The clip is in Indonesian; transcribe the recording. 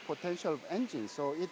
potensi penuh dari mesin